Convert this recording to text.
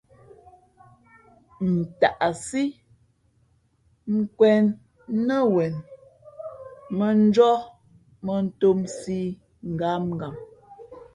Ntaʼsí nkwēn nά wen mᾱnjóh mᾱntōmsī ngǎmngam.